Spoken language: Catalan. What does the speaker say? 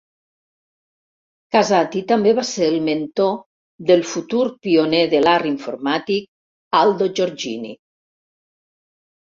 Casati també va ser el mentor del futur pioner de l'art informàtic Aldo Giorgini.